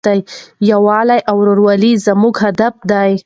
یووالی او ورورولي زموږ هدف دی.